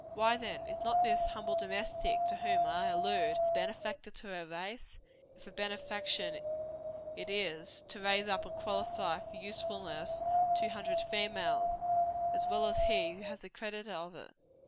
Why, then, is not this humble domestic to whom I allude, a benefactor to her race if a benefaction it is, to raise up and qualify for usefulness two hundred females as well as he who has the whole credit of it?